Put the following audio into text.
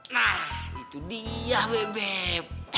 nah itu dia bebep